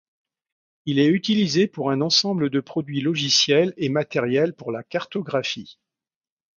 Il est utilisé pour un ensemble de produits logiciels et matériels pour la cartographie.